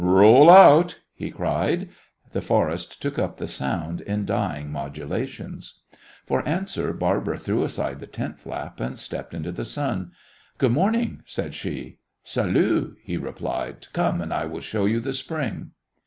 "R o o oll out!" he cried. The forest took up the sound in dying modulations. For answer Barbara threw aside the tent flap and stepped into the sun. "Good morning," said she. "Salut!" he replied. "Come and I will show you the spring."